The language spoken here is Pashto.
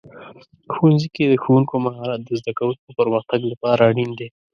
ښوونځي کې د ښوونکو مهارت د زده کوونکو پرمختګ لپاره اړین دی.